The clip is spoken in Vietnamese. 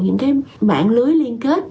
những cái mạng lưới liên kết